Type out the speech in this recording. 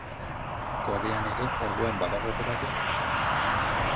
Korean ere orduan badago operarik?